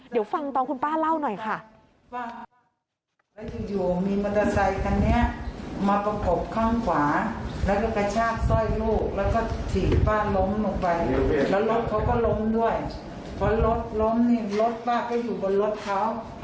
เดี๋ยวฟังตอนคุณป้าเล่าหน่อยค่ะ